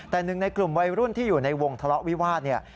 แต่หนึ่งในกลุ่มวัยรุ่นที่อยู่ในวงทะเลาะวิวาสเนี่ย